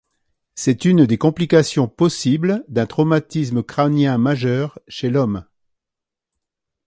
C’est une des complications possibles d'un traumatisme crânien majeur chez l'homme.